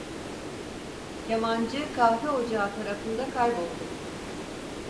Kemancı kahve ocağı tarafında kayboldu.